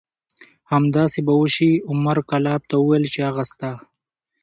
همداسې به وشي. عمر کلاب ته وویل چې هغه ستا